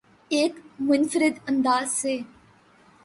ایک منفرد انداز سے